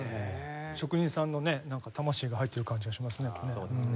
職人さんのねなんか魂が入っている感じがしますねやっぱりね。